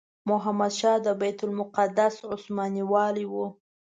محمد پاشا د بیت المقدس عثماني والي وو.